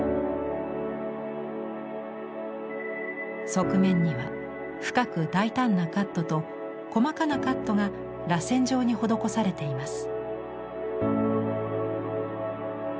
側面には深く大胆なカットと細かなカットがらせん状に施されています。